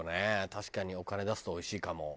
確かにお金出すとおいしいかも。